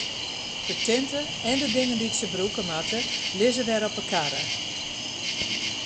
De tinte en de dingen dy't se brûke moatte, lizze wer op de karre.